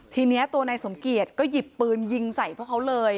ทีนี้ตัวนายสมเกียจก็หยิบปืนยิงใส่พวกเขาเลย